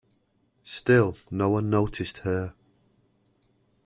Still no one noticed her.